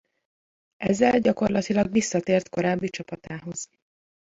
Ezzel gyakorlatilag visszatért korábbi csapatához.